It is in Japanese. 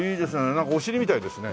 なんかお尻みたいですね。